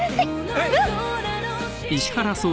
えっ！？